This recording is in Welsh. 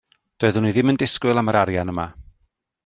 Doeddwn i ddim yn disgwyl am yr arian yma.